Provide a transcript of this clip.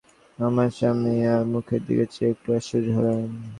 আমার স্বামী তার মুখের দিকে চেয়ে একটু আশ্চর্য হলেন।